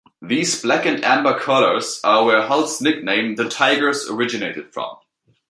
These black and amber colours are where Hull's nickname, "The Tigers", originated from.